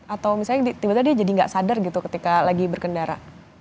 atau misalnya tiba tiba dia jadi nggak sadar gitu ketika lagi berkendara